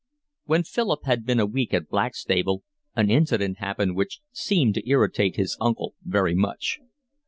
When Philip had been a week at Blackstable an incident happened which seemed to irritate his uncle very much.